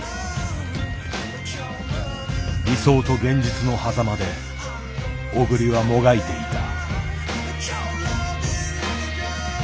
理想と現実のはざまで小栗はもがいていた。